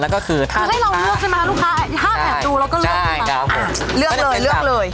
คือให้เราเลือกเลย